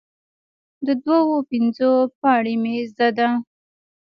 د دوو او پنځو پاړۍ مې زده ده،